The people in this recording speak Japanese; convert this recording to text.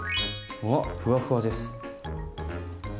うわっふわふわです。